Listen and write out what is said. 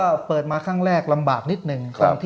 ก็เปิดมาครั้งแรกลำบากนิดหนึ่ง